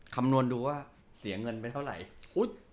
คำนวณดูว่าเสียเงินไปเท่าไหร่